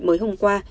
mới hôm qua